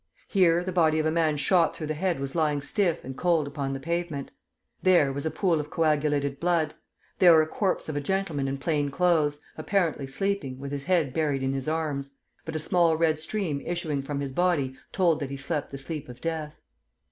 Here, the body of a man shot through the head was lying stiff and cold upon the pavement; there, was a pool of coagulated blood; there, the corpse of a gentleman in plain clothes, apparently sleeping, with his head buried in his arms; but a small red stream issuing from his body told that he slept the sleep of death.